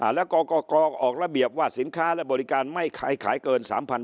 อ่าแล้วก่อกอกอกออกระเบียบว่าสินค้าและบริการไม่ขายขายเกินสามพัน